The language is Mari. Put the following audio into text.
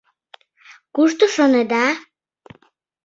Кушто, шонеда?